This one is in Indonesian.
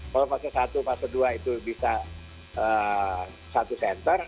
kalau fase satu fase dua itu bisa satu center